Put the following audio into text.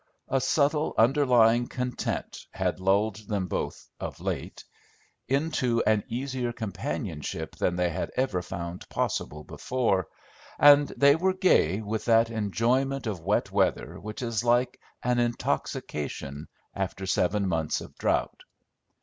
A subtle underlying content had lulled them both, of late, into an easier companionship than they had ever found possible before, and they were gay with that enjoyment of wet weather which is like an intoxication after seven months of drought.